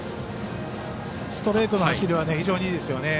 ストレートの走りは非常にいいですよね。